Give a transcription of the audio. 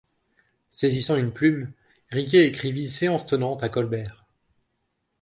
Saisissant une plume, Riquet écrivit séance tenante à Colbert.